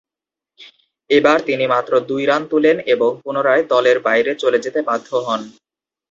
এবার তিনি মাত্র দুই রান তুলেন ও পুনরায় দলের বাইরে চলে যেতে বাধ্য হন।